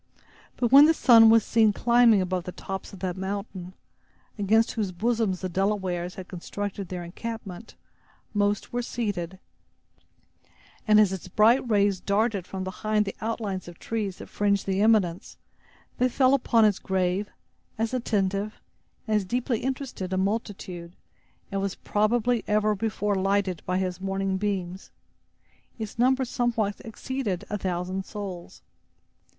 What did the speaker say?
But when the sun was seen climbing above the tops of that mountain, against whose bosom the Delawares had constructed their encampment, most were seated; and as his bright rays darted from behind the outline of trees that fringed the eminence, they fell upon as grave, as attentive, and as deeply interested a multitude, as was probably ever before lighted by his morning beams. Its number somewhat exceeded a thousand souls.